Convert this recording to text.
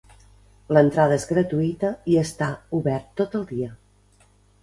L'entrada és gratuïta i està obert tot el dia.